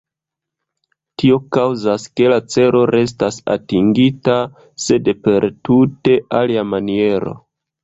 Tio kaŭzas, ke la celo restas atingita, sed per tute alia maniero.